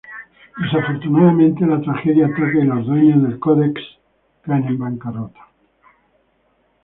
Desafortunadamente, la tragedia ataca, y los dueños del "Codex" cae en bancarrota.